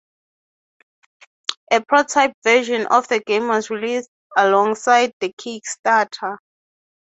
A prototype version of the game was released alongside the Kickstarter.